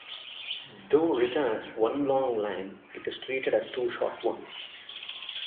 Though written as one long line, it is treated as two short ones.